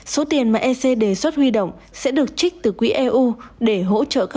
số tiền mà ec đề xuất huy động sẽ được trích từ quỹ eu để hỗ trợ các